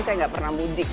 saya gak pernah mudik